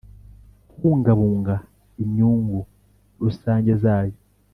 kubungabunga imyungu rusange zayo